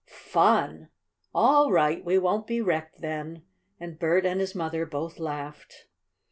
"Fun!" "All right. We won't be wrecked then." And Bert and his mother both laughed.